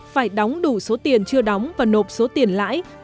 phải đóng đủ số tiền chưa đóng và nộp số tiền lãi